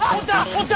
おった？